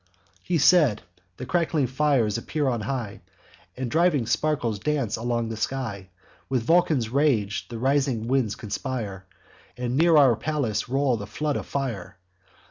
"He said. The crackling flames appear on high. And driving sparkles dance along the sky. With Vulcan's rage the rising winds conspire, And near our palace roll the flood of fire.